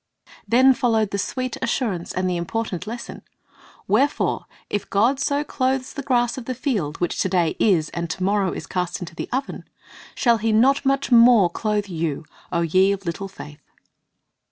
Then followed the sweet assurance and the important lesson, "Wherefore, if God so clothe the grass of the field, which to day is, and to morrow is cast into the oven, shall He not much more clothe you, O ye of little faith?"